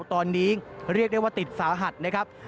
ตอนนี้เรียกได้ว่าติดสาหัสนะครับ